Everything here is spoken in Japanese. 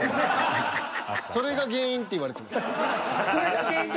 「それが原因って言われている」。